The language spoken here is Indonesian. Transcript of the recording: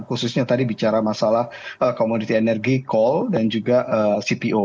khususnya tadi bicara masalah komoditi energi call dan juga cpo